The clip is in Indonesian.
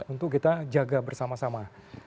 untuk kita jaga bersama sama